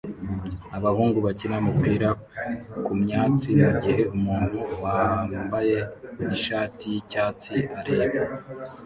Abahungu bakina umupira kumyatsi mugihe umuntu wambaye ishati yicyatsi areba